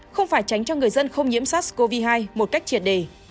không phải tránh cho người dân không nhiễm sars cov hai một cách triệt đề